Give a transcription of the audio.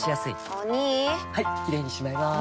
お兄はいキレイにしまいます！